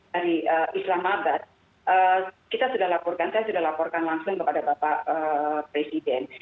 dari islam mabar kita sudah laporkan saya sudah laporkan langsung kepada bapak presiden